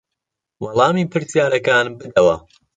وەڵامی پرسیارەکان بدەوە.